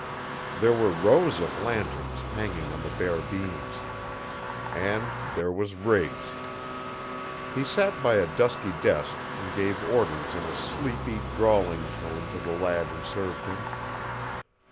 There were rows of lanterns, hanging on the bare beams. And there was Riggs. He sat by a dusty desk and gave orders in a sleepy, drawling tone to the lad who served him.